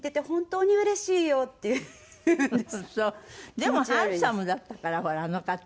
でもハンサムだったからほらあの方。